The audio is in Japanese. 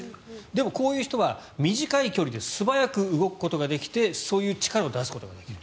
でもこういう人は短い距離で素早く動くことができてそういう力を出すことができる。